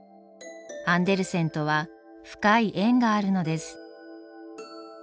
アンデルセンとは深い縁があるのです。